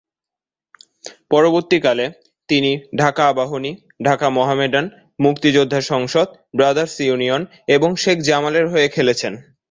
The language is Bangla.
পরবর্তীকালে, তিনি ঢাকা আবাহনী, ঢাকা মোহামেডান, মুক্তিযোদ্ধা সংসদ, ব্রাদার্স ইউনিয়ন এবং শেখ জামালের হয়ে খেলেছেন।